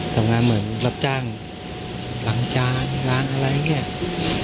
ทำงานเหมือนรับจ้างล้างจานล้างอะไรอย่างนี้